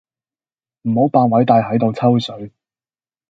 唔好扮偉大喺度抽水